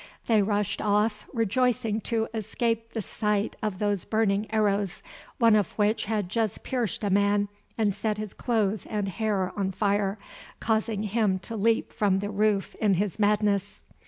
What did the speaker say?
They rushed off, rejoicing to escape the sight of those burning arrows, one of which had just pierced a man and set his clothes and hair on fire, causing him to leap from the roof in his madness.